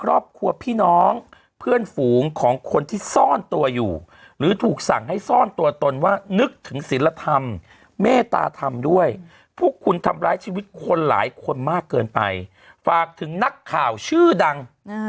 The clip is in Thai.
ครอบครัวพี่น้องเพื่อนฝูงของคนที่ซ่อนตัวอยู่หรือถูกสั่งให้ซ่อนตัวตนว่านึกถึงศิลธรรมเมตตาธรรมด้วยพวกคุณทำร้ายชีวิตคนหลายคนมากเกินไปฝากถึงนักข่าวชื่อดัง